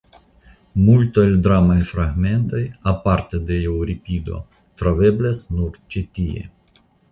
Multo el dramaj fragmentoj (aparte de Eŭripido) troveblas nur ĉi tie.